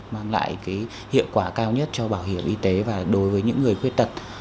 mang lại hiệu quả cao nhất cho bảo hiểm y tế và đối với những người khuyết tật